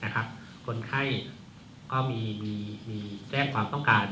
คนไข้ก็มีแจ้งความต้องการ